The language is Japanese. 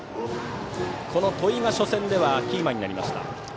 この戸井が初戦、キーマンになりました。